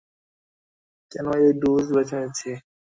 কেন এই ডোজ বেছে নিচ্ছি?